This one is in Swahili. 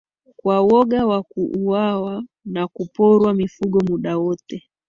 Kwa woga wa kuuawa na kuporwa mifugo muda wote